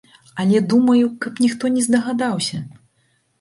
Але думаю, каб ніхто не здагадаўся!